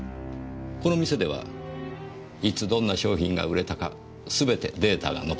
この店ではいつどんな商品が売れたかすべてデータが残っています。